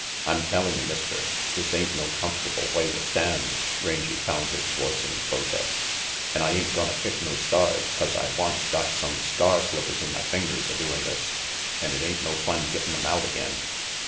" I'm tellin' you, Mister, this ain't no comfortable way to stand," Rangy found his voice in protest. "An' I ain't gonna pick no stars 'cause I once got some star slivers in my fingers a doin' this, and it ain't no fun gettin' 'em out again."